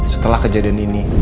setelah kejadian ini